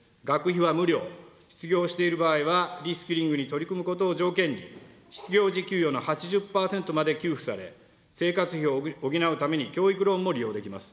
学費は無料、失業している場合はリスキリングに取り組むことを条件に、失業時給与の８０％まで給付され、生活費を補うために教育ローンも利用できます。